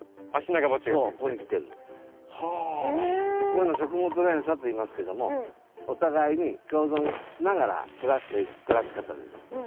こういうのを食物連鎖といいますけどもお互いに共存しながら暮らしていく暮らし方です。